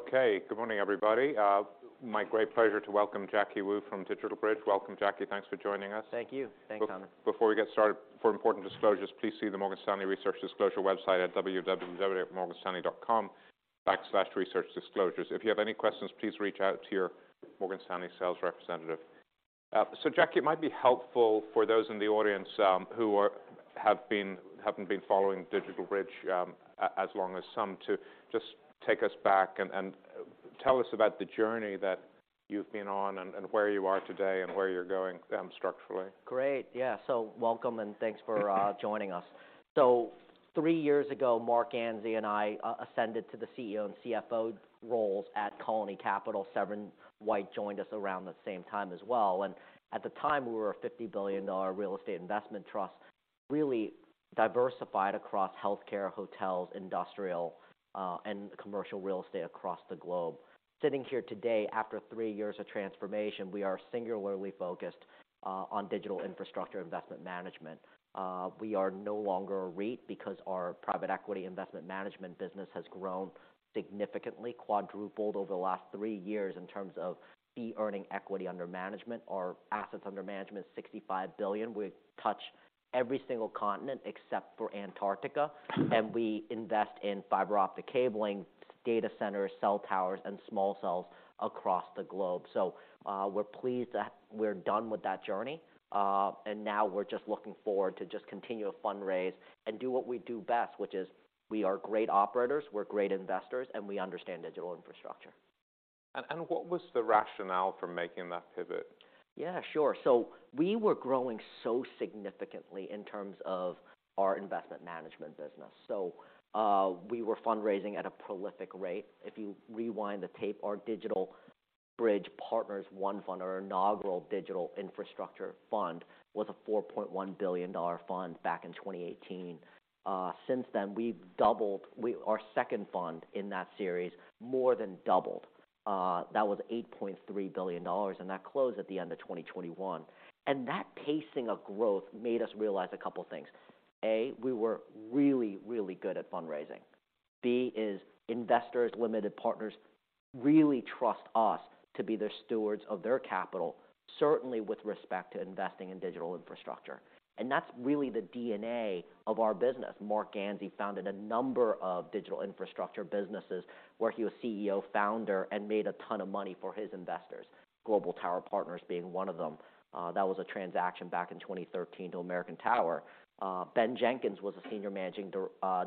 Okay. Good morning, everybody. My great pleasure to welcome Jacky Wu from DigitalBridge. Welcome, Jacky. Thanks for joining us. Thank you. Thanks, Connor. Before we get started, for important disclosures, please see the Morgan Stanley Research Disclosure website at www.morganstanley.com/researchdisclosures. If you have any questions, please reach out to your Morgan Stanley sales representative. Jacky, it might be helpful for those in the audience who haven't been following DigitalBridge as long as some to just take us back and tell us about the jou rney that you've been on and where you are today and where you're going structurally. Great. Yeah. Welcome, and thanks for joining us. Three years ago, Marc Ganzi and I ascended to the CEO and CFO roles at Colony Capital. Severin White joined us around the same time as well. At the time, we were a $50 billion real estate investment trust really diversified across healthcare, hotels, industrial, and commercial real estate across the globe. Sitting here today, after three years of transformation, we are singularly focused on digital infrastructure investment management. We are no longer a REIT because our private equity investment management business has grown significantly, quadrupled over the last three years in terms of fee earning equity under management. Our assets under management is $65 billion. We touch every single continent except for Antarctica, and we invest in fiber optic cabling, data centers, cell towers, and small cells across the globe. We're pleased that we're done with that journey, and now we're just looking forward to just continue to fundraise and do what we do best, which is we are great operators, we're great investors, and we understand digital infrastructure. What was the rationale for making that pivot? Yeah, sure. We were growing so significantly in terms of our investment management business. We were fundraising at a prolific rate. If you rewind the tape, our DigitalBridge Partners I Fund, our inaugural digital infrastructure fund, was a $4.1 billion fund back in 2018. Since then, we've doubled. Our second fund in that series more than doubled. That was $8.3 billion, and that closed at the end of 2021. That pacing of growth made us realize a couple of things. A, we were really, really good at fundraising. B is investors, limited partners really trust us to be the stewards of their capital, certainly with respect to investing in digital infrastructure. That's really the DNA of our business. Marc Ganzi founded a number of digital infrastructure businesses where he was CEO founder and made a ton of money for his investors. Global Tower Partners being one of them. That was a transaction back in 2013 to American Tower. Ben Jenkins was a senior managing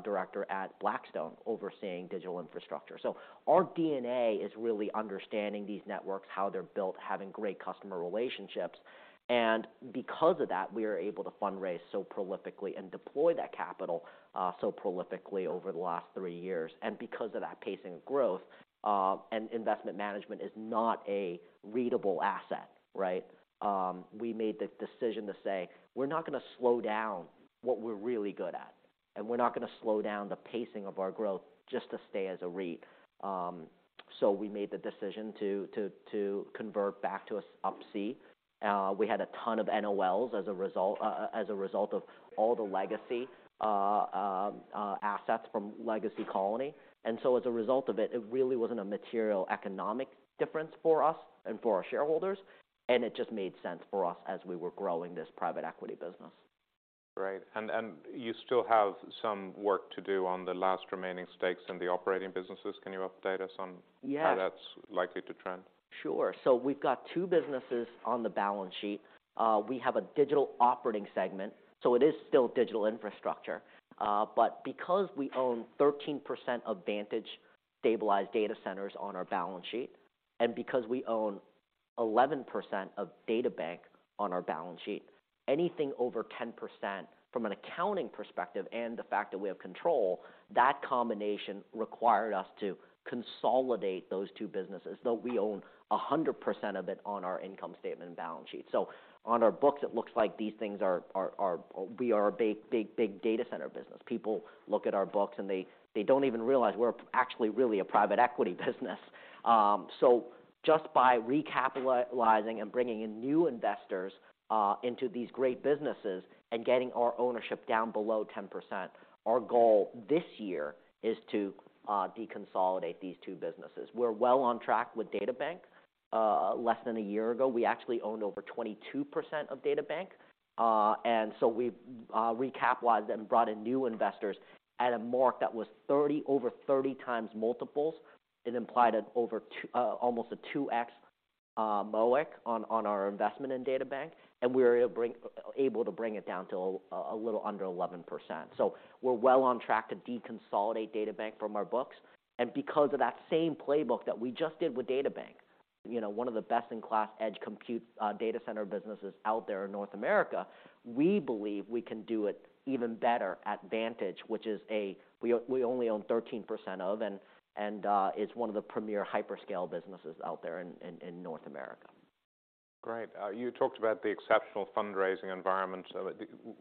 director at Blackstone, overseeing digital infrastructure. Our DNA is really understanding these networks, how they're built, having great customer relationships. Because of that, we are able to fundraise so prolifically and deploy that capital so prolifically over the last three years. Because of that pacing of growth, and investment management is not a readable asset, right? We made the decision to say, "We're not gonna slow down what we're really good at, and we're not gonna slow down the pacing of our growth just to stay as a REIT." We made the decision to convert back to a public C-corp. We had a ton of NOLs as a result of all the legacy assets from Legacy Colony. As a result of it really wasn't a material economic difference for us and for our shareholders, and it just made sense for us as we were growing this private equity business. Right. You still have some work to do on the last remaining stakes in the operating businesses. Can you update us? Yes. how that's likely to trend? Sure. We've got two businesses on the balance sheet. We have a digital operating segment, so it is still digital infrastructure. Because we own 13% of Vantage stabilized Data Centers on our balance sheet, and because we own 11% of DataBank on our balance sheet, anything over 10% from an accounting perspective and the fact that we have control, that combination required us to consolidate those two businesses, though we own 100% of it on our income statement and balance sheet. On our books, it looks like these things are, we are a big data center business. People look at our books and they don't even realize we're actually really a private equity business. Just by recapitalizing and bringing in new investors into these great businesses and getting our ownership down below 10%, our goal this year is to deconsolidate these two businesses. We're well on track with DataBank. Less than a year ago, we actually owned over 22% of DataBank. We recapitalized and brought in new investors at a mark that was over 30x multiples. It implied at almost a 2x MOIC on our investment in DataBank, and we were able to bring it down to a little under 11%. We're well on track to deconsolidate DataBank from our books. Because of that same playbook that we just did with DataBank, you know, one of the best-in-class edge compute data center businesses out there in North America, we believe we can do it even better at Vantage, which is we only own 13% of, and it's one of the premier hyperscale businesses out there in North America. Great. You talked about the exceptional fundraising environment.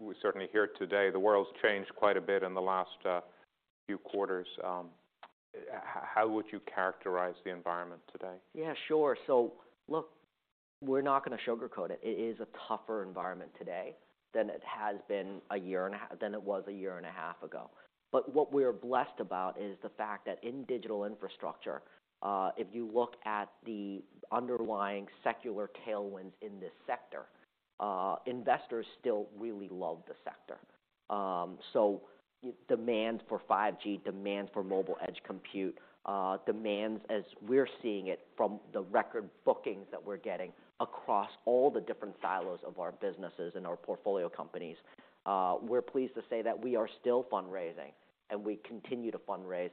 We certainly hear it today. The world's changed quite a bit in the last few quarters. How would you characterize the environment today? Yeah, sure. We're not gonna sugarcoat it. It is a tougher environment today than it has been a year and a half ago. What we're blessed about is the fact that in digital infrastructure, if you look at the underlying secular tailwinds in this sector, investors still really love the sector. Demand for 5G, demand for mobile edge compute, demands as we're seeing it from the record bookings that we're getting across all the different silos of our businesses and our portfolio companies, we're pleased to say that we are still fundraising, and we continue to fundraise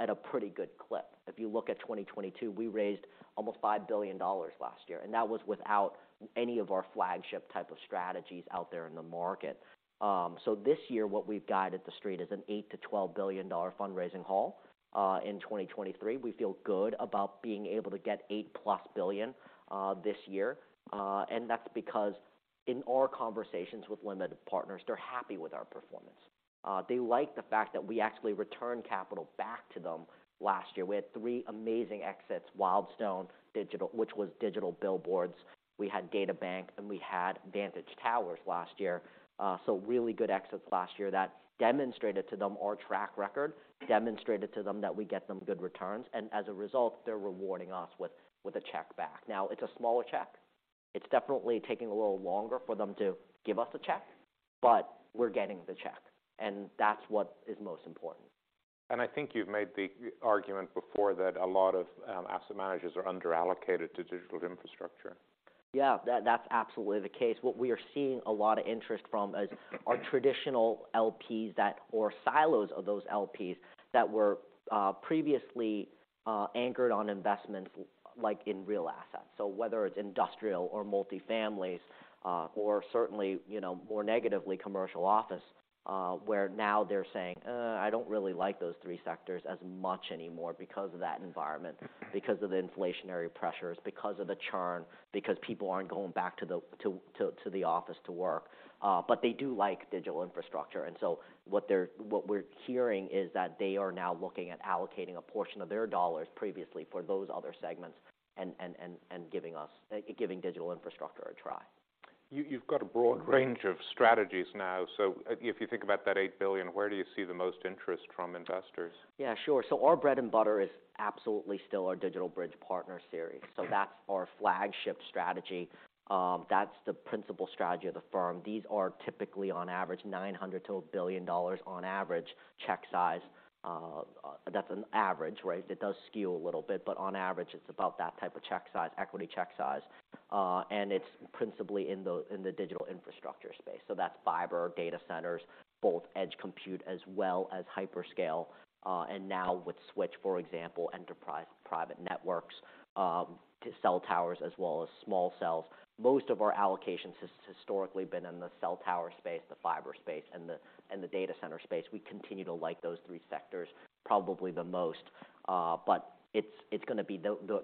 at a pretty good clip. If you look at 2022, we raised almost $5 billion last year, and that was without any of our flagship type of strategies out there in the market. This year what we've guided the street is an $8 billion-$12 billion fundraising haul in 2023. We feel good about being able to get $8+ billion this year. That's because in our conversations with limited partners, they're happy with our performance. They like the fact that we actually returned capital back to them last year. We had three amazing exits, Wildstone, which was digital billboards, we had DataBank, and we had Vantage Towers last year. Really good exits last year that demonstrated to them our track record, demonstrated to them that we get them good returns, and as a result, they're rewarding us with a check back. It's a smaller check. It's definitely taking a little longer for them to give us a check, but we're getting the check, and that's what is most important. I think you've made the argument before that a lot of asset managers are under-allocated to digital infrastructure. Yeah. That's absolutely the case. What we are seeing a lot of interest from is our traditional LPs or silos of those LPs that were previously anchored on investments like in real assets. Whether it's industrial or multi-families, or certainly, you know, more negatively commercial office, where now they're saying, "I don't really like those three sectors as much anymore because of that environment, because of the inflationary pressures, because of the churn, because people aren't going back to the office to work." They do like digital infrastructure. What we're hearing is that they are now looking at allocating a portion of their dollars previously for those other segments and giving us digital infrastructure a try. You've got a broad range of strategies now. If you think about that $8 billion, where do you see the most interest from investors? Yeah, sure. Our bread and butter is absolutely still our DigitalBridge Partners series. That's our flagship strategy. That's the principal strategy of the firm. These are typically on average $900 million-$1 billion on average check size. That's an average, right? It does skew a little bit, but on average, it's about that type of check size, equity check size. It's principally in the digital infrastructure space. That's fiber, data centers, both edge compute as well as hyperscale, and now with Switch, for example, enterprise private networks, to cell towers as well as small cells. Most of our allocation has historically been in the cell tower space, the fiber space, and the data center space. We continue to like those three sectors probably the most. It's gonna be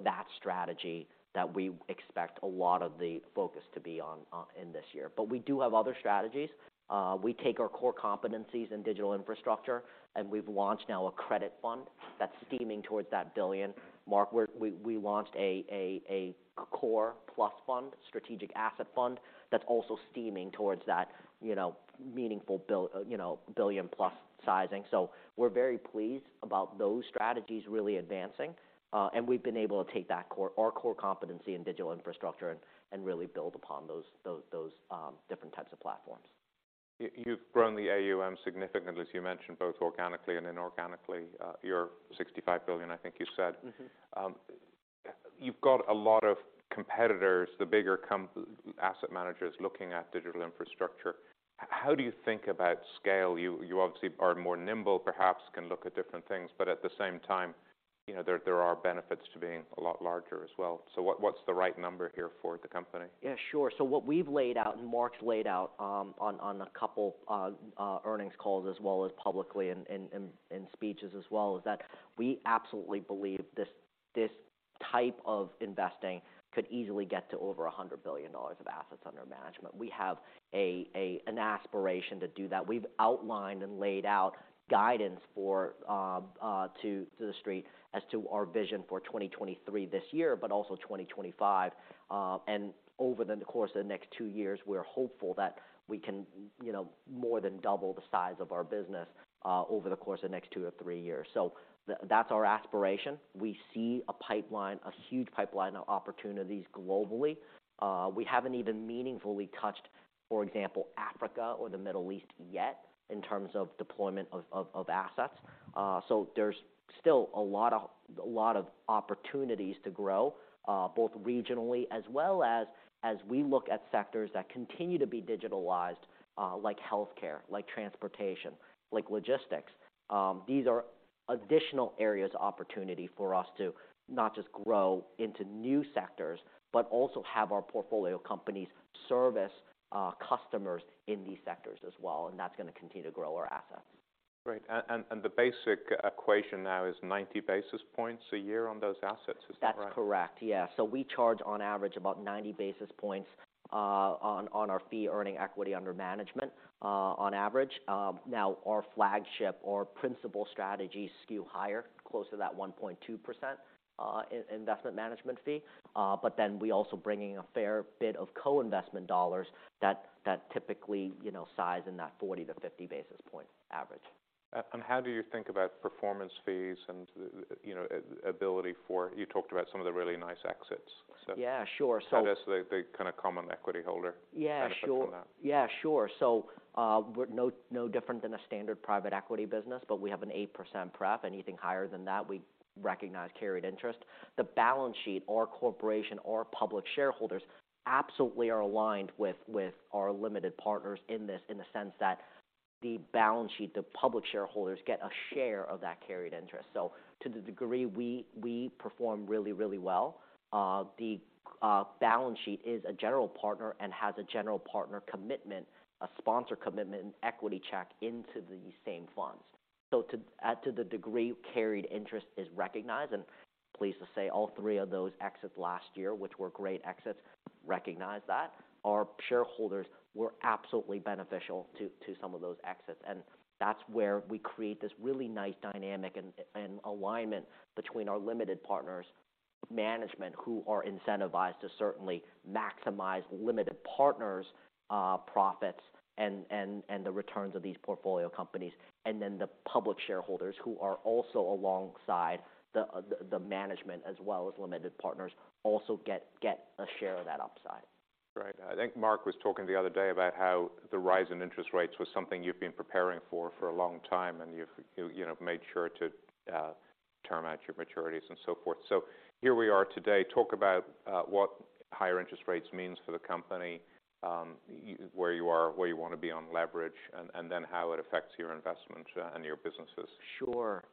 that strategy that we expect a lot of the focus to be on in this year. We do have other strategies. We take our core competencies in digital infrastructure, and we've launched now a credit fund that's steaming towards that $1 billion mark, where we launched a Core Plus fund, Strategic Assets Fund, that's also steaming towards that, you know, meaningful $1 billion-plus sizing. We're very pleased about those strategies really advancing, and we've been able to take our core competency in digital infrastructure and really build upon those different types of platforms. You've grown the AUM significantly, as you mentioned, both organically and inorganically. You're $65 billion, I think you said. Mm-hmm. You've got a lot of competitors, the bigger asset managers looking at digital infrastructure. How do you think about scale? You obviously are more nimble, perhaps can look at different things, but at the same time, you know, there are benefits to being a lot larger as well. What's the right number here for the company? Yeah, sure. What we've laid out and Marc's laid out on a couple earnings calls as well as publicly in speeches as well, is that we absolutely believe this type of investing could easily get to over $100 billion of assets under management. We have an aspiration to do that. We've outlined and laid out guidance for to the street as to our vision for 2023 this year, but also 2025. Over the course of the next two years, we're hopeful that we can, you know, more than double the size of our business over the course of the next two or three years. That's our aspiration. We see a pipeline, a huge pipeline of opportunities globally. We haven't even meaningfully touched, for example, Africa or the Middle East yet in terms of deployment of assets. There's still a lot of opportunities to grow, both regionally as well as we look at sectors that continue to be digitalized, like healthcare, like transportation, like logistics. These are additional areas of opportunity for us to not just grow into new sectors, but also have our portfolio companies service customers in these sectors as well, and that's gonna continue to grow our assets. Great. The basic equation now is 90 basis points a year on those assets. Is that right? That's correct. Yeah. We charge on average about 90 basis points on our fee earning equity under management on average. Now our flagship or principal strategies skew higher, close to that 1.2% investment management fee. We also bringing a fair bit of co-investment dollars that typically, you know, size in that 40 to 50 basis point average. How do you think about performance fees and, you know, you talked about some of the really nice exits? Yeah, sure. How does the kinda common equity holder- Yeah, sure. benefit from that? Yeah, sure. We're no different than a standard private equity business, but we have an 8% preferred. Anything higher than that, we recognize carried interest. The balance sheet, our corporation, our public shareholders absolutely are aligned with our limited partners in this in the sense that the balance sheet, the public shareholders get a share of that carried interest. To the degree we perform really, really well, the balance sheet is a general partner and has a general partner commitment, a sponsor commitment and equity check into the same funds. To the degree carried interest is recognized, and pleased to say all three of those exits last year, which were great exits, recognized that. Our shareholders were absolutely beneficial to some of those exits. That's where we create this really nice dynamic and alignment between our limited partners management, who are incentivized to certainly maximize limited partners, profits and the returns of these portfolio companies. Then the public shareholders who are also alongside the management as well as limited partners also get a share of that upside. Right. I think Marc was talking the other day about how the rise in interest rates was something you've been preparing for a long time, and you've, you know, made sure to term out your maturities and so forth. Here we are today. Talk about what higher interest rates means for the company, where you are, where you wanna be on leverage, and then how it affects your investments and your businesses. Sure.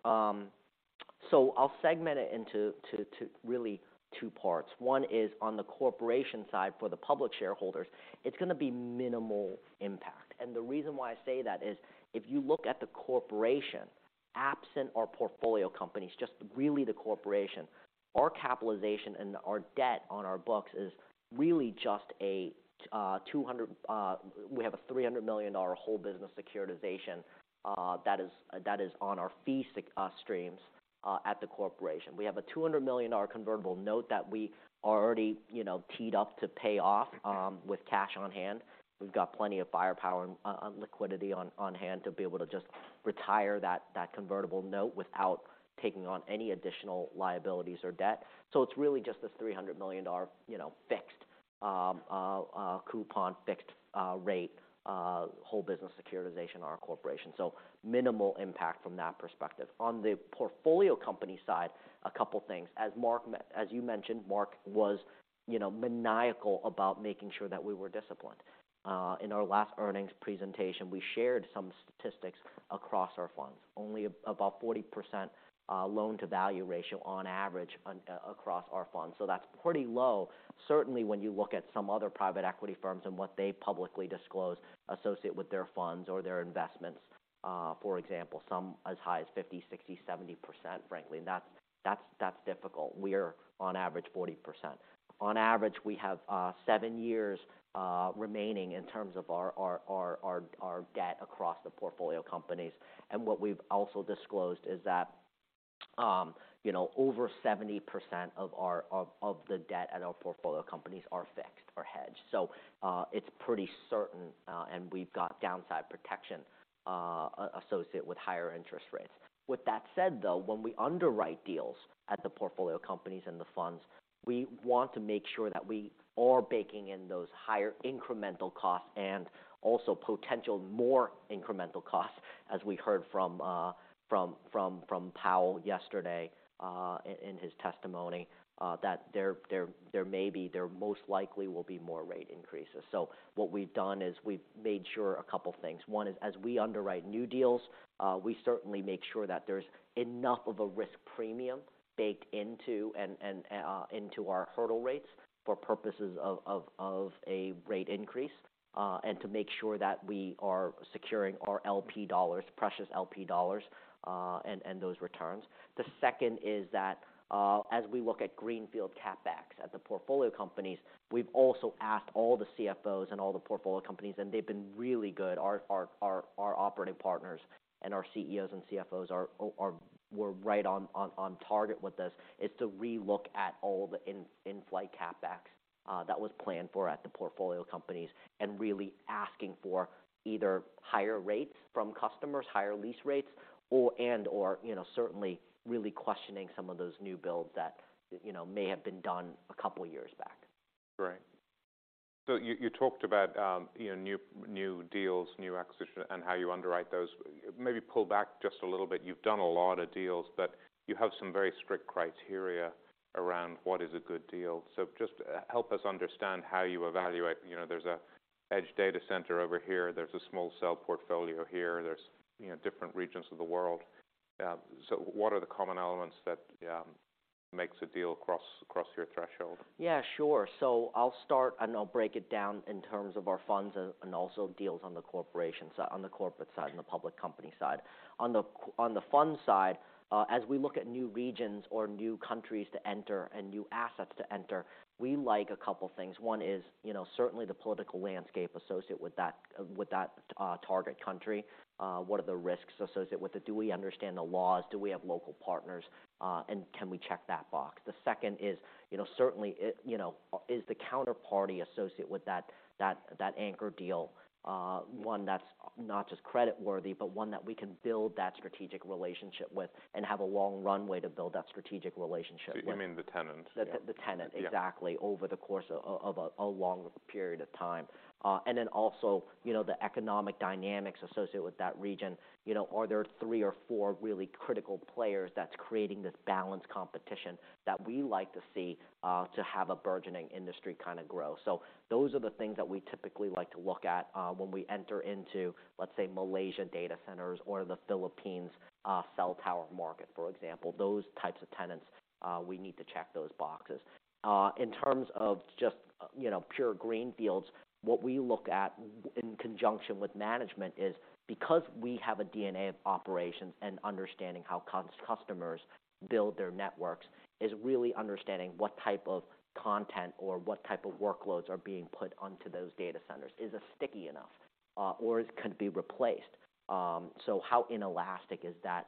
I'll segment it into really two parts. One is on the corporation side for the public shareholders, it's gonna be minimal impact. The reason why I say that is if you look at the corporation, absent our portfolio companies, just really the corporation, our capitalization and our debt on our books is really just a $300 million whole business securitization that is on our fee streams at the corporation. We have a $200 million convertible note that we already, you know, teed up to pay off with cash on hand. We've got plenty of firepower and liquidity on hand to be able to just retire that convertible note without taking on any additional liabilities or debt. It's really just this $300 million, you know, fixed coupon, fixed rate whole business securitization on our corporation. Minimal impact from that perspective. On the portfolio company side, a couple things. As Marc, as you mentioned, Marc was, you know, maniacal about making sure that we were disciplined. In our last earnings presentation, we shared some statistics across our funds. Only about 40% loan-to-value ratio on average across our funds. That's pretty low, certainly when you look at some other private equity firms and what they publicly disclose associated with their funds or their investments, for example, some as high as 50%, 60%, 70%, frankly. That's, that's difficult. We're on average 40%. On average, we have seven years remaining in terms of our debt across the portfolio companies. What we've also disclosed is that, you know, over 70% of the debt at our portfolio companies are fixed or hedged. It's pretty certain, and we've got downside protection associated with higher interest rates. With that said, though, when we underwrite deals at the portfolio companies and the funds, we want to make sure that we are baking in those higher incremental costs and also potential more incremental costs, as we heard from Powell yesterday, in his testimony, that there most likely will be more rate increases. What we've done is we've made sure a couple things. One is as we underwrite new deals, we certainly make sure that there's enough of a risk premium baked into and into our hurdle rates for purposes of a rate increase, and to make sure that we are securing our LP dollars, precious LP dollars, and those returns. The second is that, as we look at greenfield CapEx at the portfolio companies, we've also asked all the CFOs and all the portfolio companies, and they've been really good. Our operating partners and our CEOs and CFOs were right on target with this, is to relook at all the in-flight CapEx that was planned for at the portfolio companies and really asking for either higher rates from customers, higher lease rates, or, and/or, you know, certainly really questioning some of those new builds that, you know, may have been done a couple years back. Right. You, you talked about, you know, new deals, new acquisition, and how you underwrite those. Maybe pull back just a little bit. You've done a lot of deals, but you have some very strict criteria around what is a good deal. Just help us understand how you evaluate. You know, there's a edge data center over here. There's a small cell portfolio here. There's, you know, different regions of the world. What are the common elements that Makes a deal cross your threshold? Yeah, sure. I'll start, and I'll break it down in terms of our funds and also deals on the corporate side and the public company side. On the fund side, as we look at new regions or new countries to enter and new assets to enter, we like a couple things. One is, you know, certainly the political landscape associated with that target country. What are the risks associated with it? Do we understand the laws? Do we have local partners, and can we check that box? The second is, you know, certainly you know, is the counterparty associated with that anchor deal, one that's not just creditworthy, but one that we can build that strategic relationship with and have a long runway to build that strategic relationship with. You mean the tenant? Yeah. The tenant. Yeah. Exactly. Over the course of a longer period of time. Also, you know, the economic dynamics associated with that region. You know, are there three or four really critical players that's creating this balanced competition that we like to see, to have a burgeoning industry kind of grow? Those are the things that we typically like to look at, when we enter into, let's say, Malaysia data centers or the Philippines' cell tower market, for example. Those types of tenants, we need to check those boxes. In terms of just, you know, pure greenfields, what we look at in conjunction with management is because we have a DNA of operations and understanding how customers build their networks, is really understanding what type of content or what type of workloads are being put onto those data centers. Is it sticky enough, or can it be replaced? How inelastic is that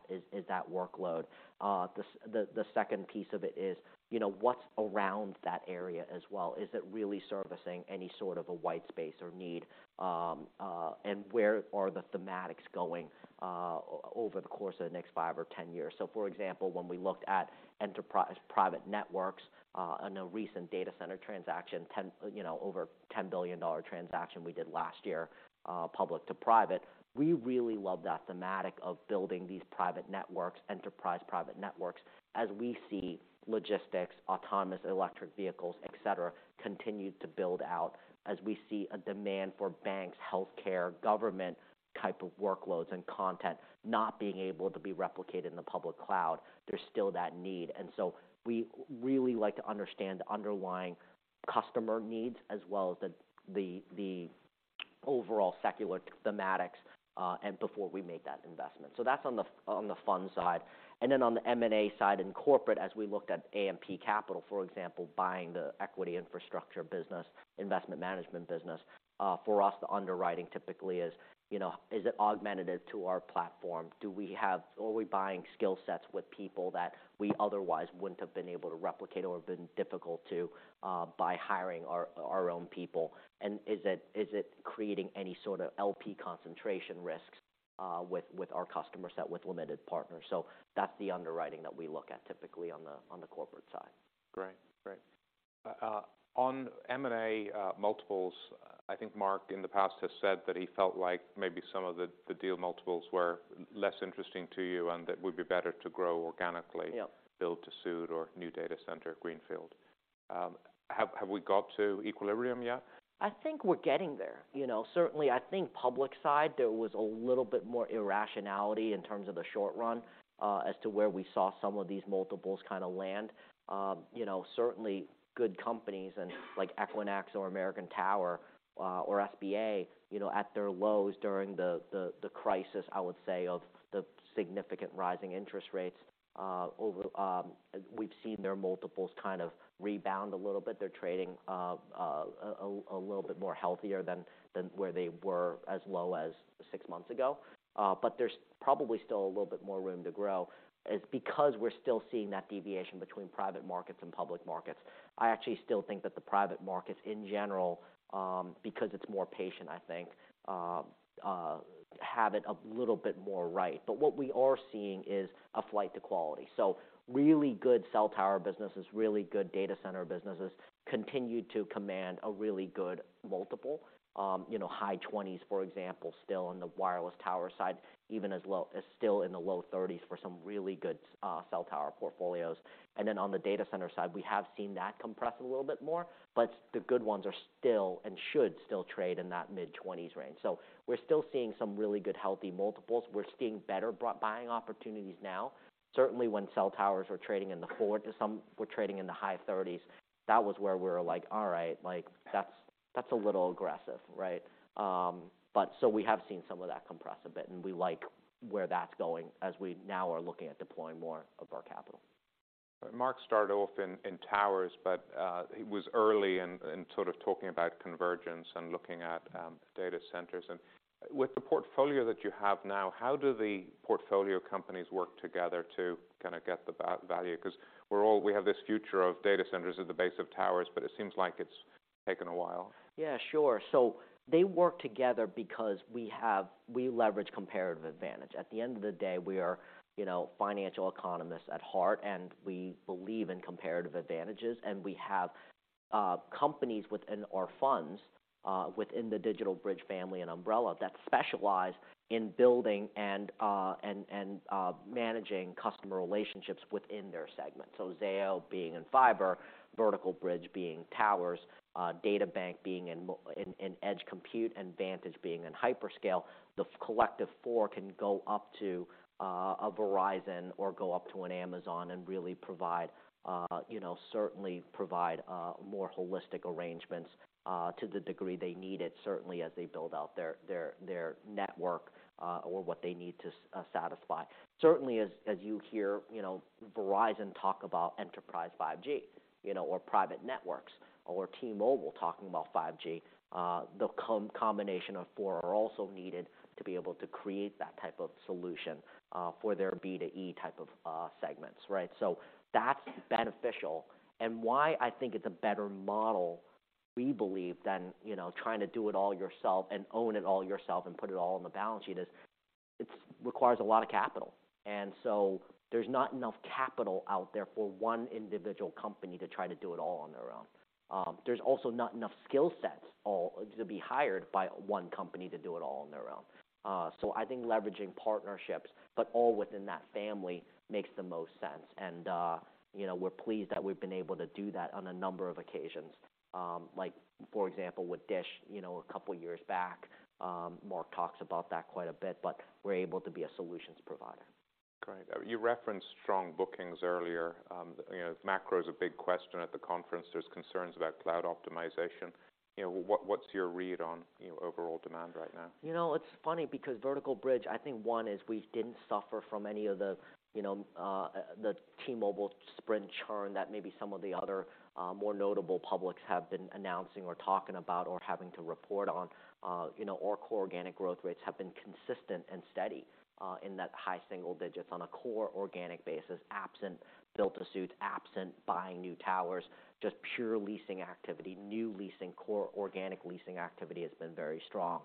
workload? The second piece of it is, you know, what's around that area as well? Is it really servicing any sort of a white space or need? Where are the thematics going over the course of the next five or 10 years? For example, when we looked at enterprise private networks, in a recent data center transaction, you know, over $10 billion transaction we did last year, public to private. We really love that thematic of building these private networks, enterprise private networks, as we see logistics, autonomous electric vehicles, et cetera, continue to build out, as we see a demand for banks, healthcare, government type of workloads and content not being able to be replicated in the public cloud. There's still that need. We really like to understand the underlying customer needs as well as the overall secular thematics before we make that investment. That's on the fund side. On the M&A side and corporate, as we looked at AMP Capital, for example, buying the equity infrastructure business, investment management business. For us, the underwriting typically is, you know, is it augmentative to our platform? Are we buying skill sets with people that we otherwise wouldn't have been able to replicate or been difficult to by hiring our own people? Is it creating any sort of LP concentration risks with our customer set with limited partners? That's the underwriting that we look at typically on the corporate side. Great. Great. On M&A, multiples, I think Marc in the past has said that he felt like maybe some of the deal multiples were less interesting to you, and that it would be better to grow organically. Yeah. build-to-suit or new data center greenfield. Have we got to equilibrium yet? I think we're getting there. You know, certainly I think public side, there was a little bit more irrationality in terms of the short run, as to where we saw some of these multiples kind of land. You know, certainly good companies and like Equinix or American Tower or SBA, you know, at their lows during the crisis, I would say, of the significant rising interest rates over. We've seen their multiples kind of rebound a little bit. They're trading a little bit more healthier than where they were, as low as six months ago. There's probably still a little bit more room to grow. It's because we're still seeing that deviation between private markets and public markets. I actually still think that the private markets in general, because it's more patient, I think, have it a little bit more right. What we are seeing is a flight to quality. Really good cell tower businesses, really good data center businesses, continue to command a really good multiple. You know, high 20s, for example, still in the wireless tower side, even as low as still in the low 30s for some really good cell tower portfolios. On the data center side, we have seen that compress a little bit more, but the good ones are still and should still trade in that mid-20s range. We're still seeing some really good, healthy multiples. We're seeing better buying opportunities now. Certainly, when cell towers were trading in the four to the high 30s, that was where we were like, "All right, like, that's a little aggressive," right? We have seen some of that compress a bit, and we like where that's going as we now are looking at deploying more of our capital. Marc started off in towers, but it was early and sort of talking about convergence and looking at data centers. With the portfolio that you have now, how do the portfolio companies work together to kind of get the value? Because we have this future of data centers at the base of towers, but it seems like it's taken a while. Yeah, sure. They work together because we leverage comparative advantage. At the end of the day, we are, you know, financial economists at heart, and we believe in comparative advantages, and we have companies within our funds within the DigitalBridge family and umbrella that specialize in building and managing customer relationships within their segment. Zayo being in fiber, Vertical Bridge being towers, DataBank being in edge compute, and Vantage being in hyperscale. The collective four can go up to a Verizon or go up to an Amazon and really provide, you know, certainly provide more holistic arrangements to the degree they need it, certainly as they build out their network or what they need to satisfy. Certainly as you hear, you know, Verizon talk about enterprise 5G, you know, or private networks, or T-Mobile talking about 5G, the combination of four are also needed to be able to create that type of solution for their B to E type of segments, right? That's beneficial. Why I think it's a better model, we believe, than, you know, trying to do it all yourself and own it all yourself and put it all on the balance sheet is it's requires a lot of capital. There's not enough capital out there for one individual company to try to do it all on their own. There's also not enough skill sets to be hired by one company to do it all on their own. I think leveraging partnerships, but all within that family makes the most sense. You know, we're pleased that we've been able to do that on a number of occasions, like for example, with DISH, you know, a couple years back, Marc talks about that quite a bit, but we're able to be a solutions provider. Great. You referenced strong bookings earlier. You know, macro is a big question at the conference. There's concerns about cloud optimization. You know, what's your read on, you know, overall demand right now? You know, it's funny because Vertical Bridge, I think one is we didn't suffer from any of the, you know, the T-Mobile Sprint churn that maybe some of the other, more notable publics have been announcing or talking about or having to report on. You know, our core organic growth rates have been consistent and steady, in that high single digits on a core organic basis, absent build-to-suit, absent buying new towers, just pure leasing activity. New leasing, core organic leasing activity has been very strong.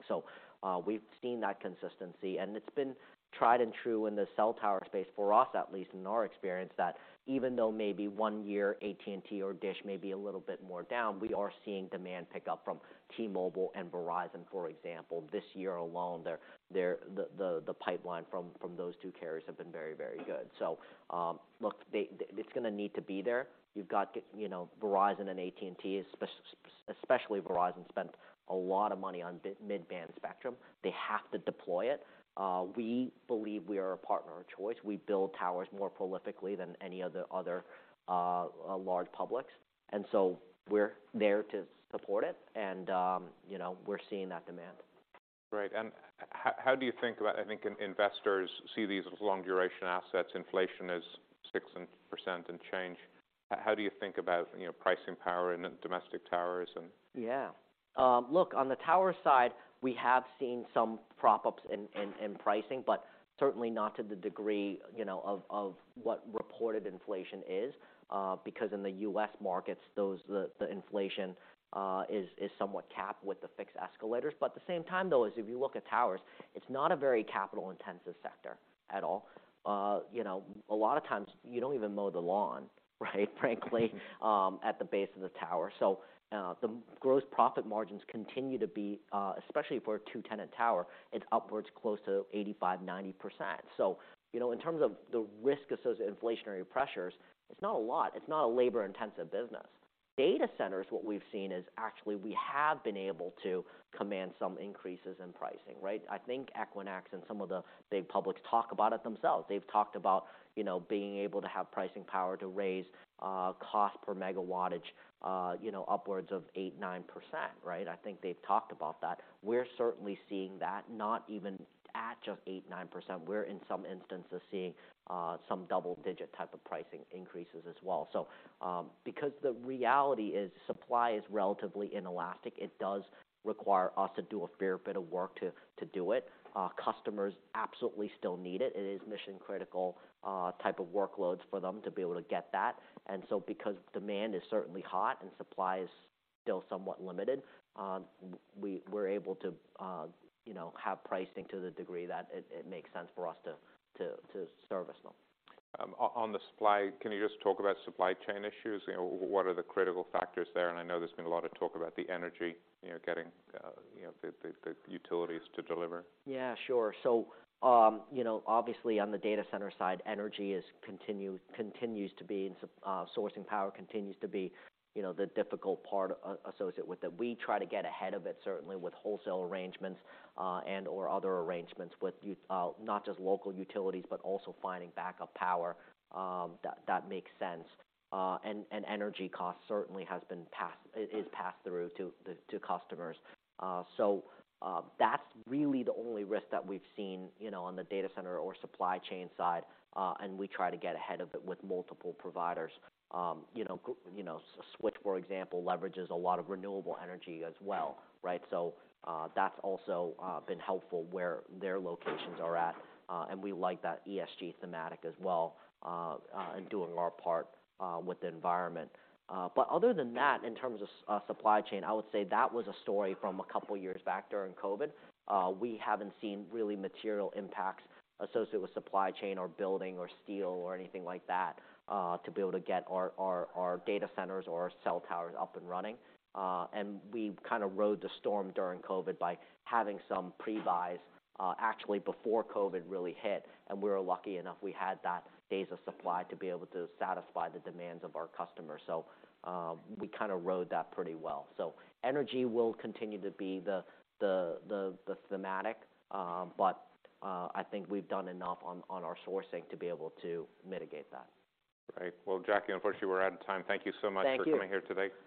We've seen that consistency, and it's been tried and true in the cell tower space for us, at least in our experience, that even though maybe one year AT&T or DISH may be a little bit more down, we are seeing demand pick up from T-Mobile and Verizon, for example. This year alone, the pipeline from those two carriers have been very, very good. Look, it's gonna need to be there. You've got, you know, Verizon and AT&T, especially Verizon, spent a lot of money on mid-band spectrum. They have to deploy it. We believe we are a partner of choice. We build towers more prolifically than any other large publics, and we're there to support it and, you know, we're seeing that demand. Great. I think investors see these as long duration assets. Inflation is 6% and change. How do you think about, you know, pricing power in domestic towers and... Yeah. Look, on the tower side, we have seen some prop ups in pricing, certainly not to the degree, you know, of what reported inflation is, because in the U.S. markets, those, the inflation is somewhat capped with the fixed escalators. At the same time though, if you look at towers, it's not a very capital-intensive sector at all. You know, a lot of times you don't even mow the lawn, right? Frankly, at the base of the tower. The gross profit margins continue to be, especially for a two-tenant tower, it's upwards close to 85%, 90%. You know, in terms of the risk-associated inflationary pressures, it's not a lot. It's not a labor-intensive business. Data centers, what we've seen is actually we have been able to command some increases in pricing, right? I think Equinix and some of the big publics talk about it themselves. They've talked about, you know, being able to have pricing power to raise cost per megawatt, you know, upwards of 8%, 9%, right? I think they've talked about that. We're certainly seeing that, not even at just 8%, 9%. We're in some instances seeing some double-digit type of pricing increases as well. Because the reality is supply is relatively inelastic, it does require us to do a fair bit of work to do it. Customers absolutely still need it. It is mission critical type of workloads for them to be able to get that. because demand is certainly hot and supply is still somewhat limited, we're able to, you know, have pricing to the degree that it makes sense for us to service them. On the supply, can you just talk about supply chain issues? You know, what are the critical factors there? I know there's been a lot of talk about the energy, you know, getting, you know, the utilities to deliver. Yeah, sure. You know, obviously on the data center side, energy continues to be and sourcing power continues to be, you know, the difficult part associated with it. We try to get ahead of it, certainly with wholesale arrangements, and/or other arrangements with not just local utilities, but also finding backup power that makes sense. And energy cost certainly is passed through to customers. That's really the only risk that we've seen, you know, on the data center or supply chain side, and we try to get ahead of it with multiple providers. You know, Switch, for example, leverages a lot of renewable energy as well, right? That's also been helpful where their locations are at. We like that ESG thematic as well, in doing our part with the environment. Other than that, in terms of supply chain, I would say that was a story from a two years back during COVID. We haven't seen really material impacts associated with supply chain or building or steel or anything like that, to be able to get our data centers or our cell towers up and running. We kind of rode the storm during COVID by having some pre-buys, actually before COVID really hit, and we were lucky enough we had that days of supply to be able to satisfy the demands of our customers. We kind of rode that pretty well. Energy will continue to be the thematic, but, I think we've done enough on our sourcing to be able to mitigate that. Great. Jacky, unfortunately we're out of time. Thank you so much... Thank you. -for coming here today.